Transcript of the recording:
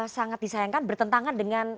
sangat disayangkan bertentangan dengan